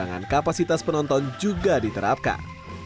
dengan kapasitas penonton juga diterapkan